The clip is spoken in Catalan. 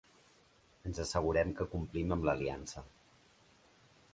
Ens assegurem que complim amb l'aliança.